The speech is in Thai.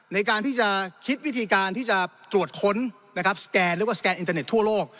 ในการที่จะคิดวิธีการที่จะตรวจค้นนะครับสแกนเรียกว่าสแกนอินเทอร์เน็ตทั่วโลก